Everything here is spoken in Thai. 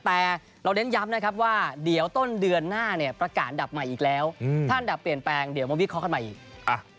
แต่เราเน้นย้ำนะครับว่าเดี๋ยวต้นเดือนหน้าเนี่ยประกาศดับใหม่อีกแล้วถ้าอันดับเปลี่ยนแปลงเดี๋ยวมาวิเคราะห์กันใหม่อีก